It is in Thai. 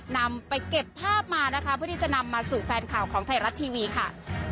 นำไปเก็บภาพมานะคะเพื่อที่จะนำมาสู่แฟนข่าวของไทยรัฐทีวีค่ะ